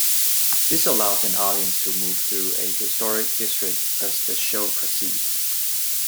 This allows an audience to move through a historic district as the show proceeds.